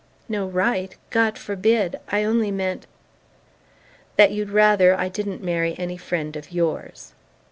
"No right? God forbid! I only meant " "That you'd rather I didn't marry any friend of yours."